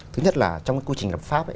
thứ nhất là trong cái quy trình lập pháp